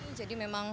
ini jadi memang